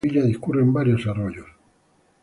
Por la villa discurren varios arroyos.